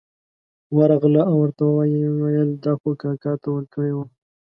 ورغله او ورته یې وویل دا خو کاکا ته ورکړې وه.